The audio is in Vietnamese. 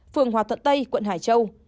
phường hòa thận tây quận hải châu